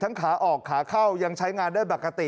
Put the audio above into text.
ขาออกขาเข้ายังใช้งานได้ปกติ